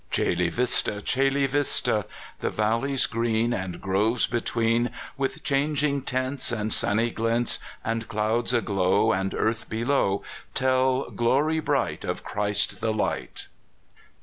Coela Vista! Cotla Vista! The valleys green, And groves between, With changing tints, And sunny glints, And clovids aglow, And earth below, Tell, glorv bright. Of Christ, the Light.